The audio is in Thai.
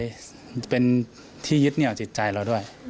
อ่าอุ่นใจเป็นที่ยึดเหนี่ยวจิตใจเราด้วย